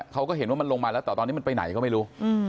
เขาก็เห็นว่ามันลงมาแล้วแต่ตอนนี้มันไปไหนก็ไม่รู้